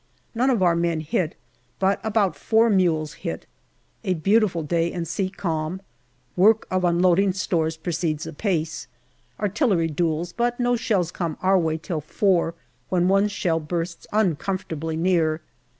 None of our men hit, but about four mules 234 GALLIPOLI DIARY hit. A beautiful day and sea calm ; work of unloading stores proceeds apace. Artillery duels, but no shells come our way till four, when one shell bursts uncomfortably near.